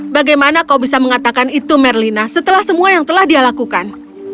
bagaimana kau bisa mengatakan itu merlina setelah semua yang telah dia lakukan